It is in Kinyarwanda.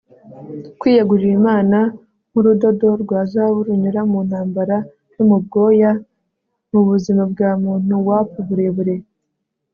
Kwiyegurira Imana nkurudodo rwa zahabu runyura mu ntambara no mu bwoya bwubuzima bwumuntu warp uburebure